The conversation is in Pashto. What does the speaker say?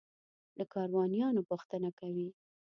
له کاروانیانو پوښتنه کوي.